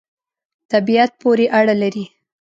طبعیت پوری اړه لری